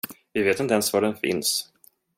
Vi vet inte ens var den finns.